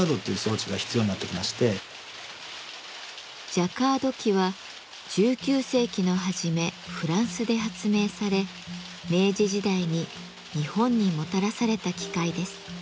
ジャカード機は１９世紀の初めフランスで発明され明治時代に日本にもたらされた機械です。